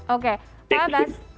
oke pak abas